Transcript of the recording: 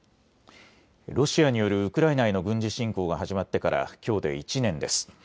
ロシアによるウクライナへの軍事侵攻が始まってからきょうで１年です。